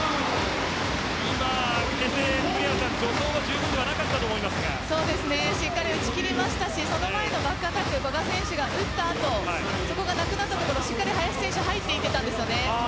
今、助走はじゅうぶんではなかったしっかり打ち切りましたしその前のバックアタック古賀選手が打った後そのあとしっかり林選手、入っていたんですよね。